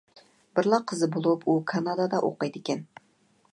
بىرلا قىزى بولۇپ، ئۇ كانادادا ئوقۇيدىكەن.